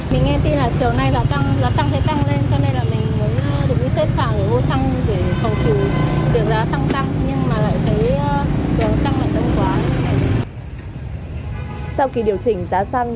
mình nghe tin là chiều nay là xăng thấy tăng lên